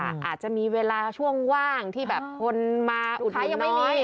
อาจจะมีเวลาช่วงว่างที่แบบคนมาอุ่นน้อย